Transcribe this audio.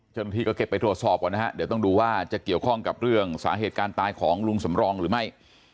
เจ้าหน้าที่ก็เก็บไปตรวจสอบก่อนนะฮะเดี๋ยวต้องดูว่าจะเกี่ยวข้องกับเรื่องสาเหตุการณ์ตายของลุงสำรองหรือไม่